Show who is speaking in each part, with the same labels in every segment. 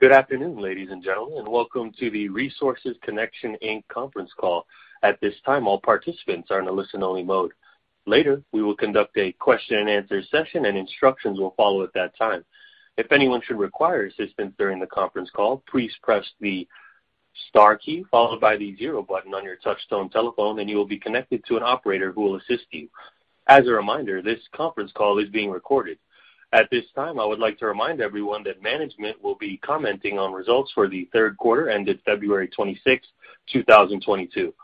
Speaker 1: Good afternoon, ladies and gentlemen, and welcome to the Resources Connection Inc. conference call. At this time, all participants are in a listen-only mode. Later, we will conduct a question-and-answer session, and instructions will follow at that time. If anyone should require assistance during the conference call, please press the star key followed by the zero button on your touch-tone telephone, and you will be connected to an operator who will assist you. As a reminder, this conference call is being recorded. At this time, I would like to remind everyone that management will be commenting on results for the third quarter ended February 26, 2022.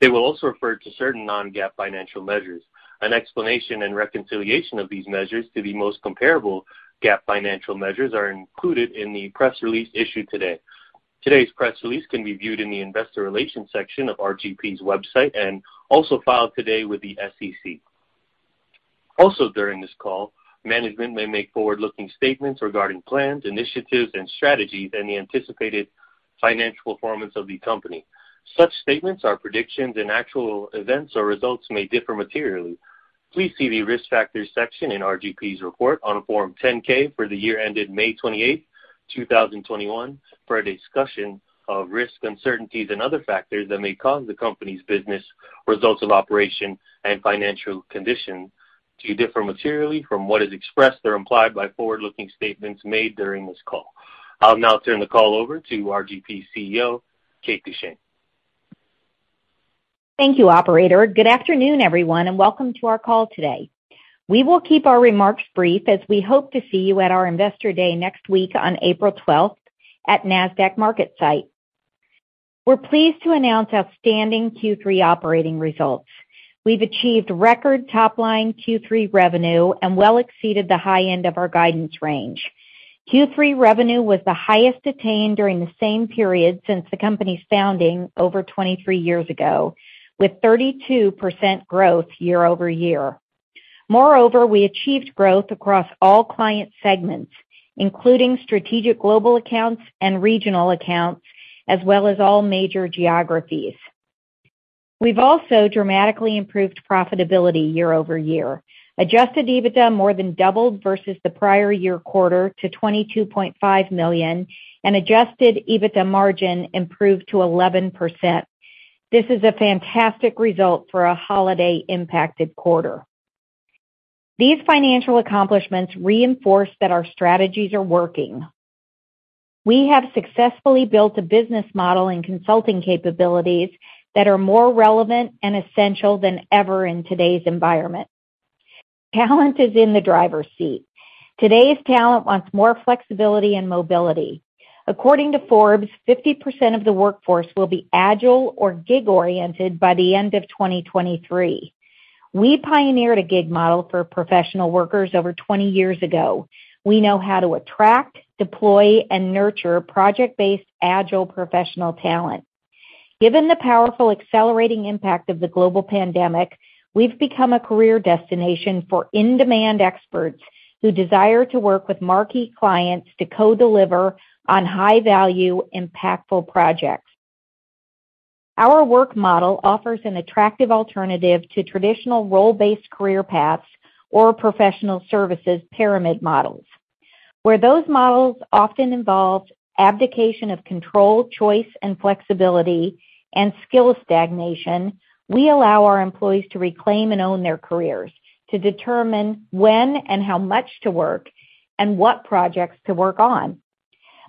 Speaker 1: They will also refer to certain non-GAAP financial measures. An explanation and reconciliation of these measures to the most comparable GAAP financial measures are included in the press release issued today. Today's press release can be viewed in the investor relations section of RGP's website and also filed today with the SEC. Also during this call, management may make forward-looking statements regarding plans, initiatives, and strategies and the anticipated financial performance of the company. Such statements are predictions, and actual events or results may differ materially. Please see the Risk Factors section in RGP's report on Form 10-K for the year ended May 28, 2021 for a discussion of risks, uncertainties, and other factors that may cause the company's business results of operation and financial condition to differ materially from what is expressed or implied by forward-looking statements made during this call. I'll now turn the call over to RGP CEO, Kate Duchene.
Speaker 2: Thank you, operator. Good afternoon, everyone, and welcome to our call today. We will keep our remarks brief as we hope to see you at our Investor Day next week on April 12 at Nasdaq MarketSite. We're pleased to announce outstanding Q3 operating results. We've achieved record top-line Q3 revenue and well exceeded the high end of our guidance range. Q3 revenue was the highest attained during the same period since the company's founding over 23 years ago, with 32% growth year-over-year. Moreover, we achieved growth across all client segments, including strategic global accounts and regional accounts, as well as all major geographies. We've also dramatically improved profitability year-over-year. Adjusted EBITDA more than doubled versus the prior year quarter to $22.5 million, and adjusted EBITDA margin improved to 11%. This is a fantastic result for a holiday-impacted quarter. These financial accomplishments reinforce that our strategies are working. We have successfully built a business model and consulting capabilities that are more relevant and essential than ever in today's environment. Talent is in the driver's seat. Today's talent wants more flexibility and mobility. According to Forbes, 50% of the workforce will be agile or gig-oriented by the end of 2023. We pioneered a gig model for professional workers over 20 years ago. We know how to attract, deploy, and nurture project-based agile professional talent. Given the powerful accelerating impact of the global pandemic, we've become a career destination for in-demand experts who desire to work with marquee clients to co-deliver on high-value, impactful projects. Our work model offers an attractive alternative to traditional role-based career paths or professional services pyramid models. Where those models often involve abdication of control, choice, and flexibility and skill stagnation, we allow our employees to reclaim and own their careers, to determine when and how much to work and what projects to work on.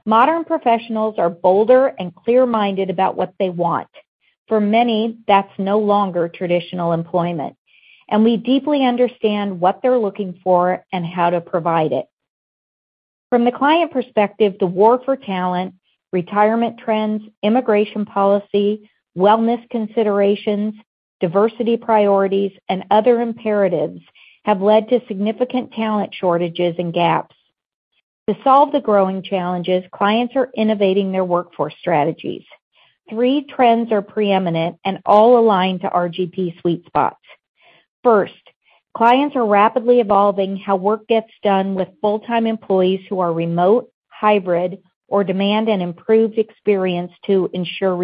Speaker 2: Modern professionals are bolder and clear-minded about what they want. For many, that's no longer traditional employment, and we deeply understand what they're looking for and how to provide it. From the client perspective, the war for talent, retirement trends, immigration policy, wellness considerations, diversity priorities, and other imperatives have led to significant talent shortages and gaps. To solve the growing challenges, clients are innovating their workforce strategies. Three trends are preeminent and all align to RGP sweet spots. First, clients are rapidly evolving how work gets done with full-time employees who are remote, hybrid, or demand an improved experience to ensure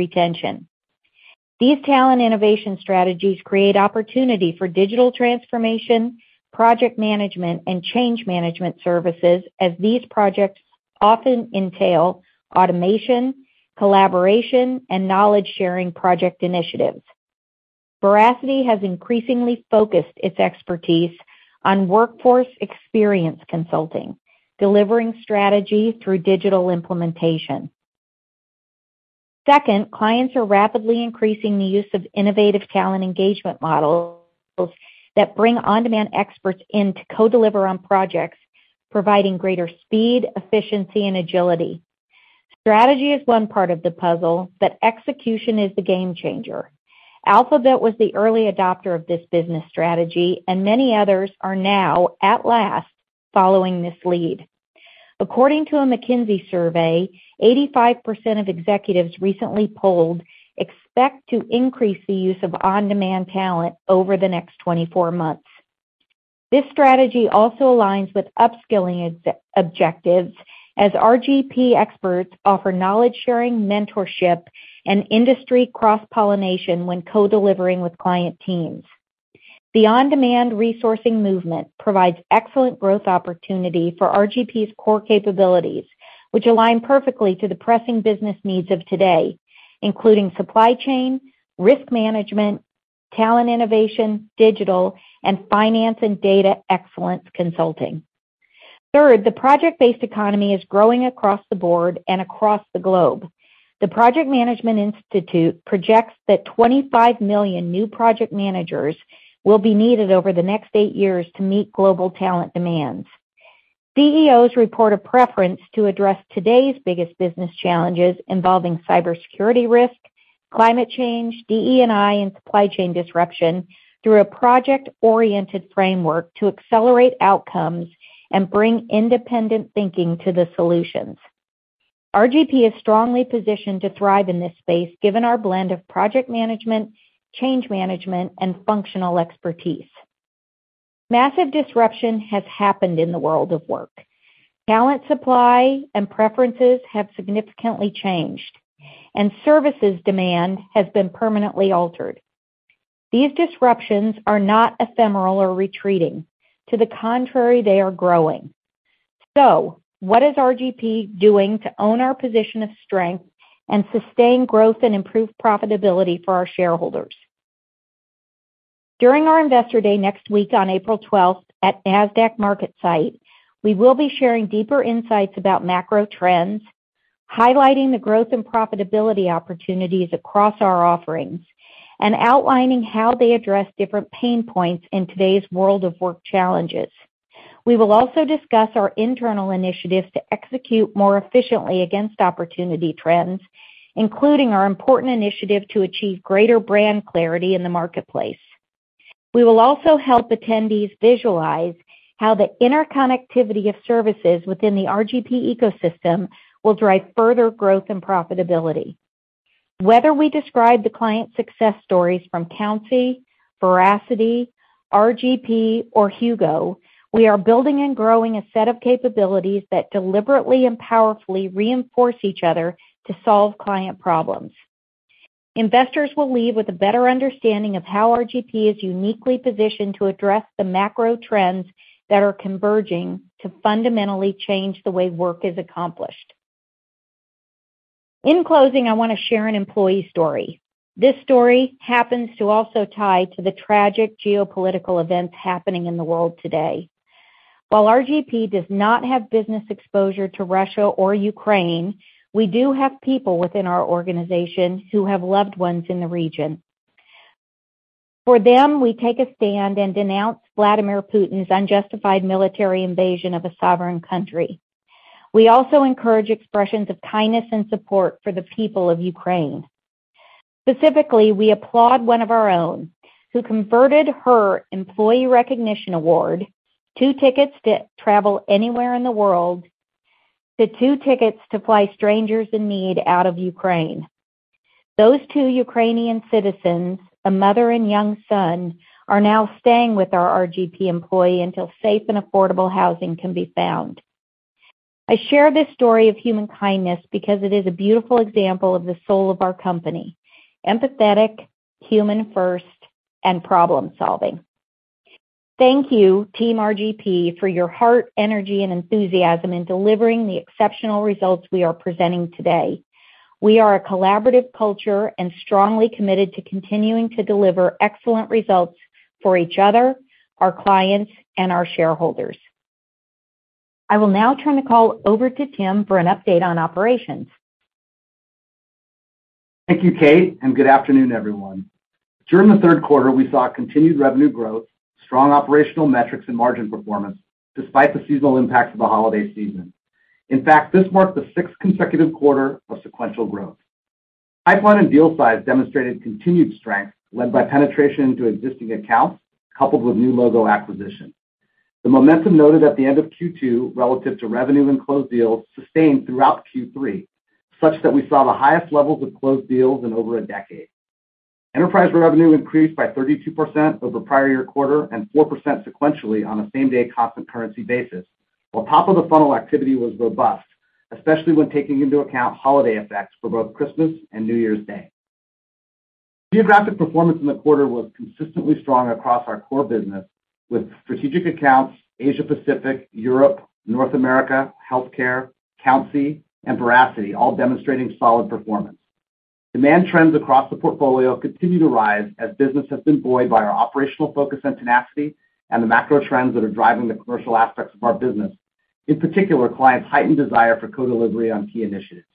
Speaker 2: retention. These talent innovation strategies create opportunity for digital transformation, project management, and change management services as these projects often entail automation, collaboration, and knowledge-sharing project initiatives. Veracity has increasingly focused its expertise on workforce experience consulting, delivering strategy through digital implementation. Second, clients are rapidly increasing the use of innovative talent engagement models that bring on-demand experts in to co-deliver on projects, providing greater speed, efficiency, and agility. Strategy is one part of the puzzle, but execution is the game changer. Alphabet was the early adopter of this business strategy, and many others are now, at last, following this lead. According to a McKinsey survey, 85% of executives recently polled expect to increase the use of on-demand talent over the next 24 months. This strategy also aligns with upskilling objectives as RGP experts offer knowledge-sharing, mentorship, and industry cross-pollination when co-delivering with client teams. The on-demand resourcing movement provides excellent growth opportunity for RGP's core capabilities, which align perfectly to the pressing business needs of today, including supply chain, risk management, talent innovation, digital, and finance and data excellence consulting. Third, the project-based economy is growing across the board and across the globe. The Project Management Institute projects that 25 million new project managers will be needed over the next eight years to meet global talent demands. CEOs report a preference to address today's biggest business challenges involving cybersecurity risk, climate change, DE&I, and supply chain disruption through a project-oriented framework to accelerate outcomes and bring independent thinking to the solutions. RGP is strongly positioned to thrive in this space given our blend of project management, change management, and functional expertise. Massive disruption has happened in the world of work. Talent supply and preferences have significantly changed, and services demand has been permanently altered. These disruptions are not ephemeral or retreating. To the contrary, they are growing. What is RGP doing to own our position of strength and sustain growth and improve profitability for our shareholders? During our Investor Day next week on April twelfth at Nasdaq MarketSite, we will be sharing deeper insights about macro trends, highlighting the growth and profitability opportunities across our offerings, and outlining how they address different pain points in today's world of work challenges. We will also discuss our internal initiatives to execute more efficiently against opportunity trends, including our important initiative to achieve greater brand clarity in the marketplace. We will also help attendees visualize how the interconnectivity of services within the RGP ecosystem will drive further growth and profitability. Whether we describe the client success stories from countsy, Veracity, RGP, or hyugo, we are building and growing a set of capabilities that deliberately and powerfully reinforce each other to solve client problems. Investors will leave with a better understanding of how RGP is uniquely positioned to address the macro trends that are converging to fundamentally change the way work is accomplished. In closing, I want to share an employee story. This story happens to also tie to the tragic geopolitical events happening in the world today. While RGP does not have business exposure to Russia or Ukraine, we do have people within our organization who have loved ones in the region. For them, we take a stand and denounce Vladimir Putin's unjustified military invasion of a sovereign country. We also encourage expressions of kindness and support for the people of Ukraine. Specifically, we applaud one of our own who converted her employee recognition award, two tickets to travel anywhere in the world, to two tickets to fly strangers in need out of Ukraine. Those two Ukrainian citizens, a mother and young son, are now staying with our RGP employee until safe and affordable housing can be found. I share this story of human kindness because it is a beautiful example of the soul of our company, empathetic, human first, and problem-solving. Thank you, Team RGP, for your heart, energy, and enthusiasm in delivering the exceptional results we are presenting today. We are a collaborative culture and strongly committed to continuing to deliver excellent results for each other, our clients, and our shareholders. I will now turn the call over to Tim for an update on operations.
Speaker 3: Thank you, Kate, and good afternoon, everyone. During the third quarter, we saw continued revenue growth, strong operational metrics, and margin performance despite the seasonal impacts of the holiday season. In fact, this marked the sixth consecutive quarter of sequential growth. Pipeline and deal size demonstrated continued strength led by penetration into existing accounts coupled with new logo acquisition. The momentum noted at the end of Q2 relative to revenue and closed deals sustained throughout Q3, such that we saw the highest levels of closed deals in over a decade. Enterprise revenue increased by 32% over prior year quarter and 4% sequentially on a same-day constant currency basis, while top of the funnel activity was robust, especially when taking into account holiday effects for both Christmas and New Year's Day. Geographic performance in the quarter was consistently strong across our core business with strategic accounts Asia Pacific, Europe, North America, Healthcare, Counsi, and Veracity all demonstrating solid performance. Demand trends across the portfolio continue to rise as business has been buoyed by our operational focus and tenacity and the macro trends that are driving the commercial aspects of our business, in particular, clients' heightened desire for co-delivery on key initiatives.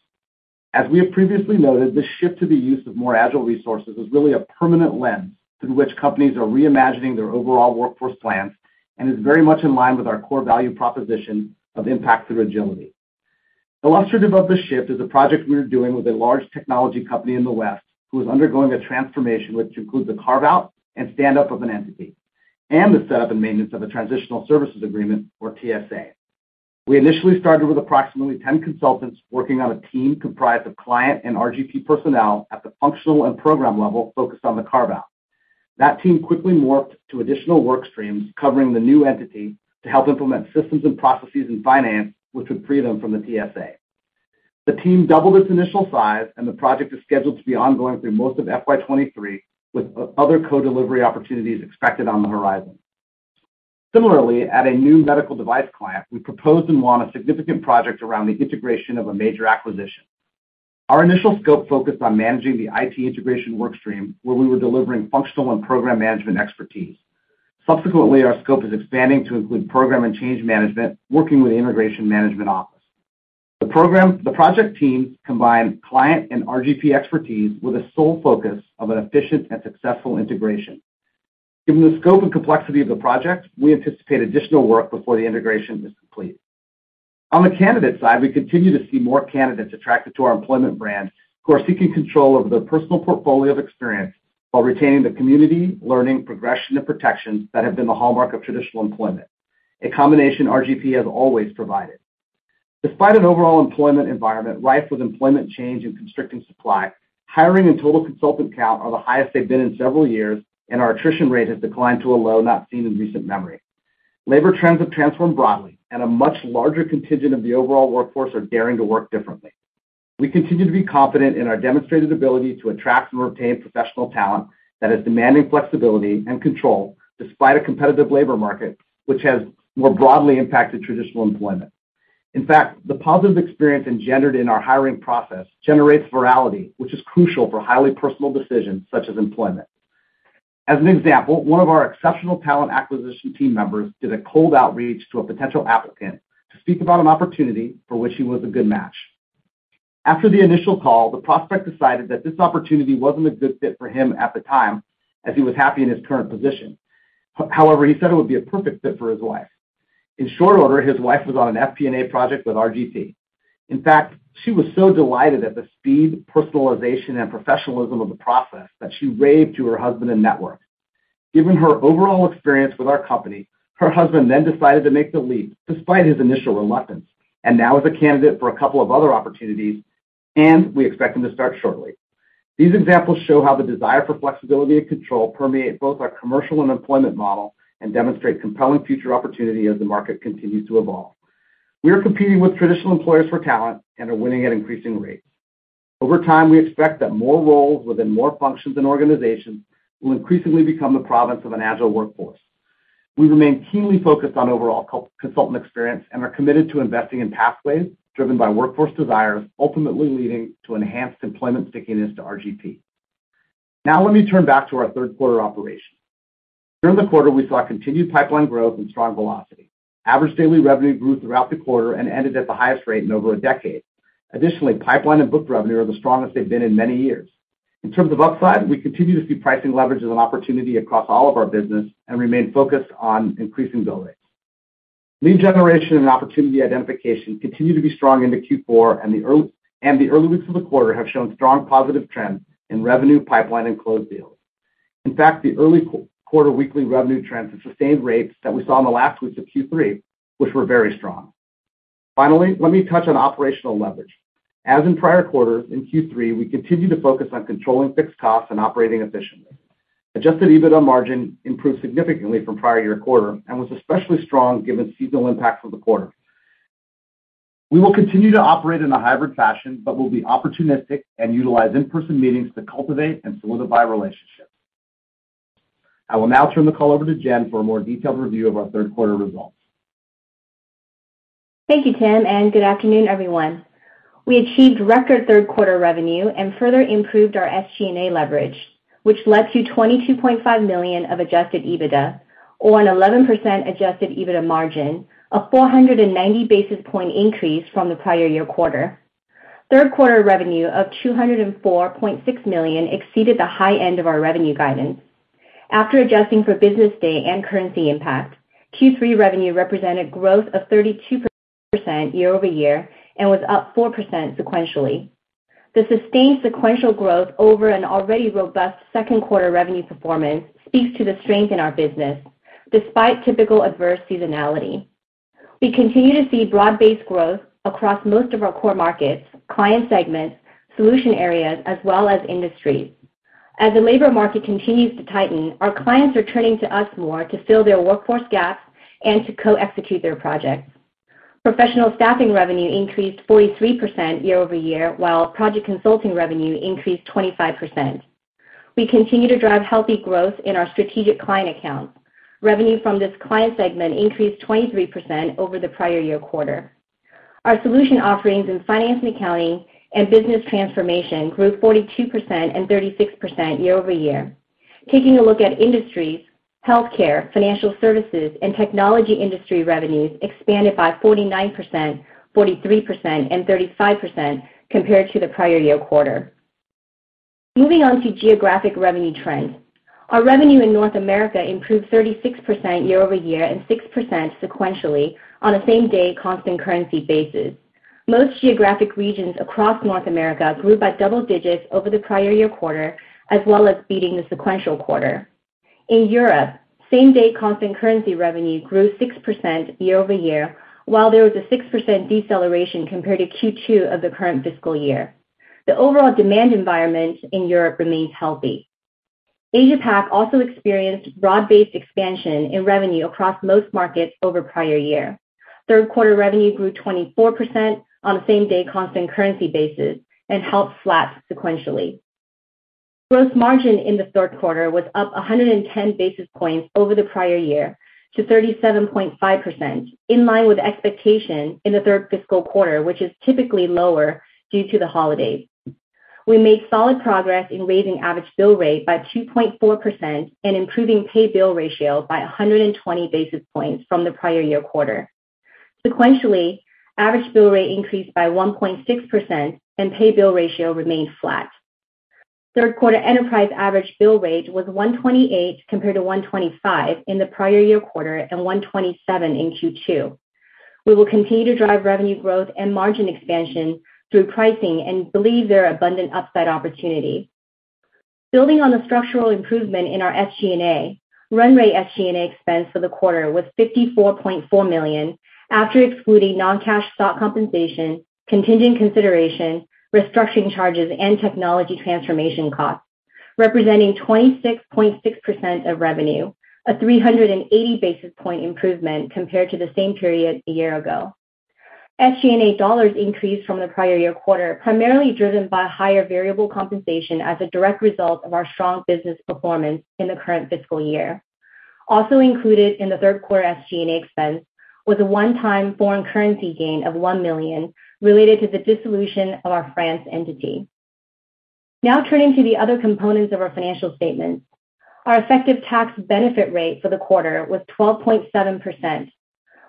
Speaker 3: As we have previously noted, the shift to the use of more agile resources is really a permanent lens through which companies are reimagining their overall workforce plans and is very much in line with our core value proposition of impact through agility. Illustrative of the shift is a project we are doing with a large technology company in the West who is undergoing a transformation which includes a carve-out and stand-up of an entity and the setup and maintenance of a transitional services agreement or TSA. We initially started with approximately 10 consultants working on a team comprised of client and RGP personnel at the functional and program level focused on the carve-out. That team quickly morphed to additional work streams covering the new entity to help implement systems and processes in finance, which would free them from the TSA. The team doubled its initial size, and the project is scheduled to be ongoing through most of FY 2023, with other co-delivery opportunities expected on the horizon. Similarly, at a new medical device client, we proposed and won a significant project around the integration of a major acquisition. Our initial scope focused on managing the IT integration work stream, where we were delivering functional and program management expertise. Subsequently, our scope is expanding to include program and change management, working with the integration management office. The project team combined client and RGP expertise with a sole focus on an efficient and successful integration. Given the scope and complexity of the project, we anticipate additional work before the integration is complete. On the candidate side, we continue to see more candidates attracted to our employment brand who are seeking control over their personal portfolio of experience while retaining the community, learning, progression, and protection that have been the hallmark of traditional employment, a combination RGP has always provided. Despite an overall employment environment rife with employment change and constricting supply, hiring and total consultant count are the highest they've been in several years, and our attrition rate has declined to a low not seen in recent memory. Labor trends have transformed broadly, and a much larger contingent of the overall workforce are daring to work differently. We continue to be confident in our demonstrated ability to attract and retain professional talent that is demanding flexibility and control despite a competitive labor market, which has more broadly impacted traditional employment. In fact, the positive experience engendered in our hiring process generates virality, which is crucial for highly personal decisions such as employment. As an example, one of our exceptional talent acquisition team members did a cold outreach to a potential applicant to speak about an opportunity for which he was a good match. After the initial call, the prospect decided that this opportunity wasn't a good fit for him at the time as he was happy in his current position. However, he said it would be a perfect fit for his wife. In short order, his wife was on an FP&A project with RGP. In fact, she was so delighted at the speed, personalization, and professionalism of the process that she raved to her husband and network. Given her overall experience with our company, her husband then decided to make the leap despite his initial reluctance, and now is a candidate for a couple of other opportunities, and we expect him to start shortly. These examples show how the desire for flexibility and control permeate both our commercial and employment model and demonstrate compelling future opportunity as the market continues to evolve. We are competing with traditional employers for talent and are winning at increasing rates. Over time, we expect that more roles within more functions and organizations will increasingly become the province of an agile workforce. We remain keenly focused on overall consultant experience and are committed to investing in pathways driven by workforce desires, ultimately leading to enhanced employment stickiness to RGP. Now let me turn back to our third quarter operations. During the quarter, we saw continued pipeline growth and strong velocity. Average daily revenue grew throughout the quarter and ended at the highest rate in over a decade. Additionally, pipeline and booked revenue are the strongest they've been in many years. In terms of upside, we continue to see pricing leverage as an opportunity across all of our business and remain focused on increasing bill rates. Lead generation and opportunity identification continue to be strong into Q4, and the early weeks of the quarter have shown strong positive trends in revenue pipeline and closed deals. In fact, the early quarter weekly revenue trends have sustained rates that we saw in the last weeks of Q3, which were very strong. Finally, let me touch on operational leverage. As in prior quarters, in Q3, we continued to focus on controlling fixed costs and operating efficiently. Adjusted EBITDA margin improved significantly from prior year quarter and was especially strong given seasonal impact for the quarter. We will continue to operate in a hybrid fashion but will be opportunistic and utilize in-person meetings to cultivate and solidify relationships. I will now turn the call over to Jen for a more detailed review of our third quarter results.
Speaker 4: Thank you, Tim, and good afternoon, everyone. We achieved record third quarter revenue and further improved our SG&A leverage, which led to $22.5 million of adjusted EBITDA on 11% adjusted EBITDA margin, a 490 basis point increase from the prior year quarter. Third quarter revenue of $204.6 million exceeded the high end of our revenue guidance. After adjusting for business day and currency impact, Q3 revenue represented growth of 32% year-over-year and was up 4% sequentially. The sustained sequential growth over an already robust second quarter revenue performance speaks to the strength in our business despite typical adverse seasonality. We continue to see broad-based growth across most of our core markets, client segments, solution areas, as well as industries. As the labor market continues to tighten, our clients are turning to us more to fill their workforce gaps and to co-execute their projects. Professional staffing revenue increased 43% year-over-year, while project consulting revenue increased 25%. We continue to drive healthy growth in our strategic client accounts. Revenue from this client segment increased 23% over the prior year quarter. Our solution offerings in finance and accounting and business transformation grew 42% and 36% year-over-year. Taking a look at industries, healthcare, financial services, and technology industry revenues expanded by 49%, 43%, and 35% compared to the prior year quarter. Moving on to geographic revenue trends. Our revenue in North America improved 36% year-over-year and 6% sequentially on a same-day constant currency basis. Most geographic regions across North America grew by double digits over the prior-year quarter, as well as beating the sequential quarter. In Europe, same-day constant currency revenue grew 6% year-over-year, while there was a 6% deceleration compared to Q2 of the current fiscal year. The overall demand environment in Europe remains healthy. Asia Pac also experienced broad-based expansion in revenue across most markets over prior year. Third quarter revenue grew 24% on a same-day constant currency basis and held flat sequentially. Gross margin in the third quarter was up 110 basis points over the prior year to 37.5%, in line with expectation in the third fiscal quarter, which is typically lower due to the holidays. We made solid progress in raising average bill rate by 2.4% and improving pay bill ratio by 120 basis points from the prior year quarter. Sequentially, average bill rate increased by 1.6%, and pay bill ratio remained flat. Third quarter enterprise average bill rate was $128 compared to $125 in the prior year quarter and $127 in Q2. We will continue to drive revenue growth and margin expansion through pricing and believe there are abundant upside opportunity. Building on the structural improvement in our SG&A, run rate SG&A expense for the quarter was $54.4 million after excluding non-cash stock compensation, contingent consideration, restructuring charges, and technology transformation costs, representing 26.6% of revenue, a 380 basis point improvement compared to the same period a year ago. SG&A dollars increased from the prior year quarter, primarily driven by higher variable compensation as a direct result of our strong business performance in the current fiscal year. Also included in the third quarter SG&A expense was a one-time foreign currency gain of $1 million related to the dissolution of our France entity. Now turning to the other components of our financial statements. Our effective tax benefit rate for the quarter was 12.7%.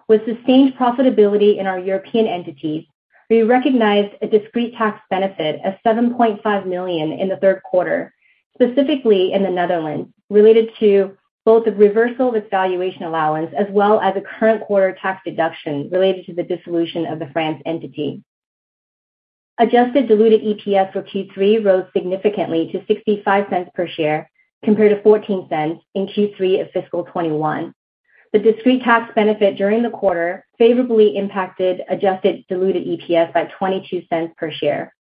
Speaker 4: With sustained profitability in our European entities, we recognized a discrete tax benefit of $7.5 million in the third quarter, specifically in the Netherlands, related to both the reversal of valuation allowance as well as a current quarter tax deduction related to the dissolution of the France entity. Adjusted diluted EPS for Q3 rose significantly to $0.65 per share compared to $0.14 in Q3 of fiscal 2021. The discrete tax benefit during the quarter favorably impacted adjusted diluted EPS by $0.22 per share.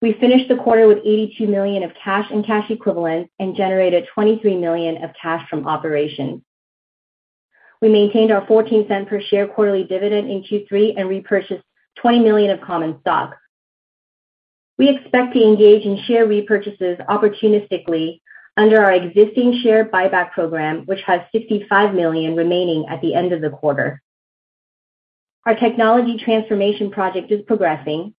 Speaker 4: We finished the quarter with $82 million of cash and cash equivalents and generated $23 million of cash from operations. We maintained our $0.14 per share quarterly dividend in Q3 and repurchased $20 million of common stock. We expect to engage in share repurchases opportunistically under our existing share buyback program, which has $55 million remaining at the end of the quarter. Our technology transformation project is progressing.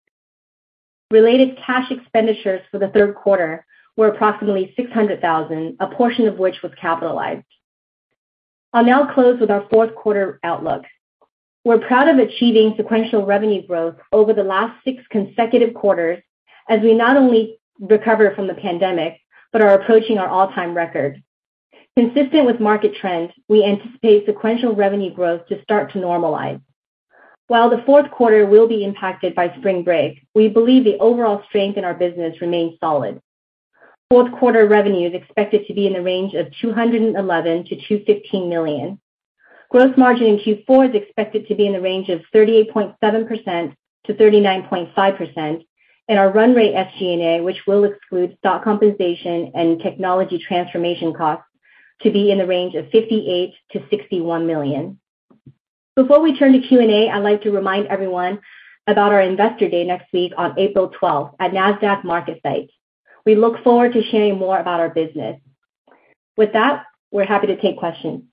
Speaker 4: Related cash expenditures for the third quarter were approximately $600,000, a portion of which was capitalized. I'll now close with our fourth quarter outlook. We're proud of achieving sequential revenue growth over the last 6 consecutive quarters as we not only recover from the pandemic, but are approaching our all-time record. Consistent with market trends, we anticipate sequential revenue growth to start to normalize. While the fourth quarter will be impacted by spring break, we believe the overall strength in our business remains solid. Fourth quarter revenue is expected to be in the range of $211 million-$215 million. Gross margin in Q4 is expected to be in the range of 38.7%-39.5%, and our run rate SG&A, which will exclude stock compensation and technology transformation costs, to be in the range of $58 million-$61 million. Before we turn to Q&A, I'd like to remind everyone about our Investor Day next week on April twelfth at Nasdaq MarketSite. We look forward to sharing more about our business. With that, we're happy to take questions.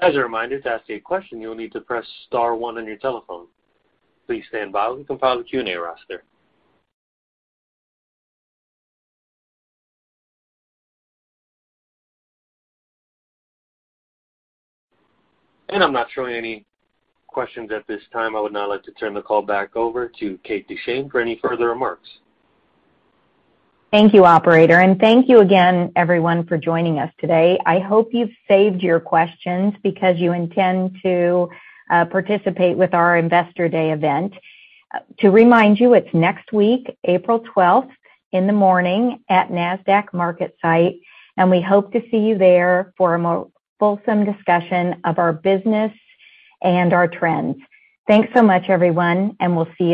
Speaker 1: I'm not showing any questions at this time. I would now like to turn the call back over to Kate Duchene for any further remarks.
Speaker 2: Thank you, operator, and thank you again everyone for joining us today. I hope you've saved your questions because you intend to participate with our Investor Day event. To remind you, it's next week, April twelfth, in the morning at Nasdaq MarketSite, and we hope to see you there for a more fulsome discussion of our business and our trends. Thanks so much, everyone, and we'll see you next week.